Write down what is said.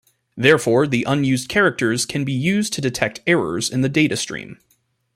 Therefore, the unused characters can be used to detect errors in the data stream.